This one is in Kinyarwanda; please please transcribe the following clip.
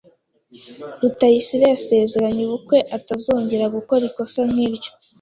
Rutayisire yasezeranye ubwe ko atazongera gukora ikosa nk'iryo.